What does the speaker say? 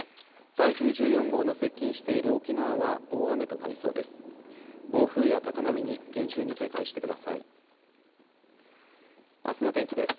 台風１４号の接近している沖縄は大雨となりそうです。